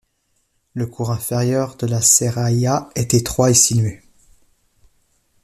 Le cours inférieur de la Seraïa est étroit et sinueux.